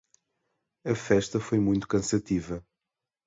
A festa foi muito cansativa.